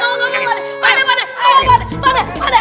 pak d pak d pak d